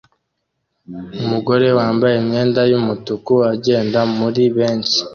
Umugore wambaye imyenda yumutuku agenda muri benshi